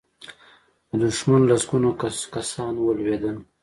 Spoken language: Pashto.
د دښمن لسګونه کسان ولوېدل.